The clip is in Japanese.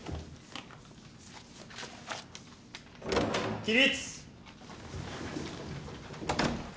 ・起立。